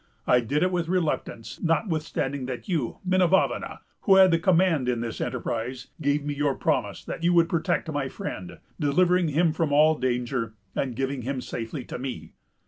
I did it with reluctance, notwithstanding that you, Minavavana, who had the command in this enterprise, gave me your promise that you would protect my friend, delivering him from all danger, and giving him safely to me.